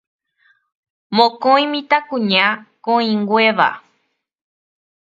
mokõi mitãkuña koĩnguéva.